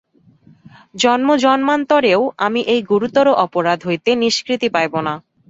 জন্মজন্মান্তরেও আমি এই গুরুতর অপরাধ হইতে নিষ্কৃতি পাইব না।